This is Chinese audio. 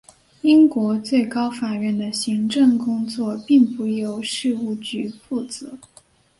英国最高法院的行政工作并不由事务局负责。